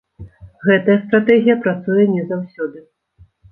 Гэтая стратэгія працуе не заўсёды.